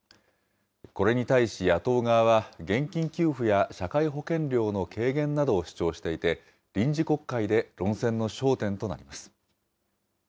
これに対し野党側は、現金給付や社会保険料の軽減などを主張していて、臨時国会で論戦の焦点となります。